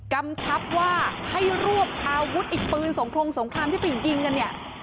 กำชับว่าให้รวบอาวุธไอ้ปืนสงครงสงครามที่ไปยิงกันเนี่ย